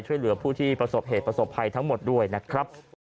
ช่วยเหลือผู้ที่ประสบเหตุประสบภัยทั้งหมดด้วยนะครับ